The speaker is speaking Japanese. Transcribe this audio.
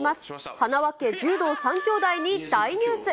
はなわ家柔道三兄弟に大ニュース。